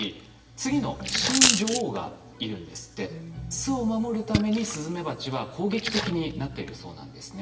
巣を守るためにスズメバチは攻撃的になっているそうなんですね。